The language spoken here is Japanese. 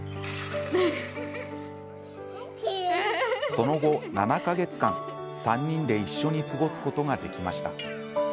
その後７か月間、３人で一緒に過ごすことができました。